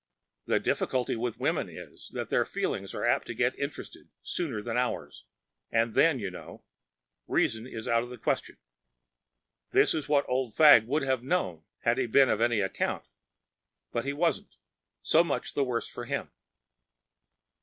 The difficulty with women is that their feelings are apt to get interested sooner than ours, and then, you know, reasoning is out of the question. This is what Old Fagg would have known had he been of any account. But he wasn’t. So much the worse for him.